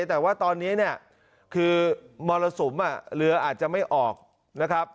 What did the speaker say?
แต่ว่าตอนนี้เนี่ยคือมรสุมเรืออาจจะไม่ออกนะครับ